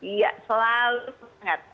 iya selalu semangat